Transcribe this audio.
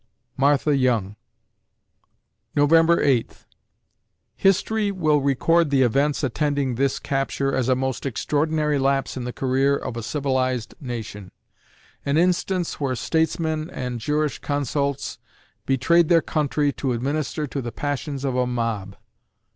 MARTHA YOUNG November Eighth History will record the events attending this capture as a most extraordinary lapse in the career of a civilized nation an instance where statesmen and Jurisconsults betrayed their country to administer to the passions of a mob.